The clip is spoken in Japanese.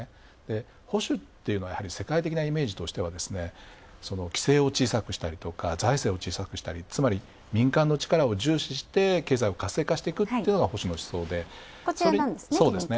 保守っていうのは世界的なイメージとしては、財政を小さくしたり、民間の力を重視して経済を活性化していくのが保守の思想で。